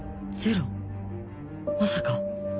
まさか